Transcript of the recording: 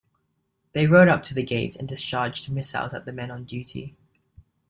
They rode up to the gates and discharged missiles at the men on duty.